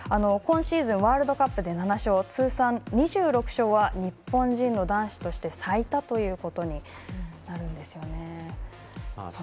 今シーズン、ワールドカップで７勝、通算２６勝は日本人の男子として最多ということになるんですよね。